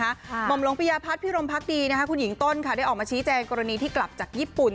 หม่อมหลวงปิยาพัฒน์พิรมพักดีนะคะคุณหญิงต้นค่ะได้ออกมาชี้แจงกรณีที่กลับจากญี่ปุ่น